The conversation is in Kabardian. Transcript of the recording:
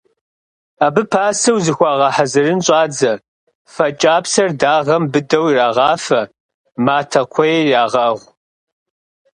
Абы пасэу зыхуагъэхьэзырын щӀадзэ: фэ кӀапсэр дагъэм быдэу ирагъафэ, матэ кхъуейр ягъэгъу.